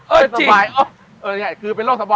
เอ๊ะจริง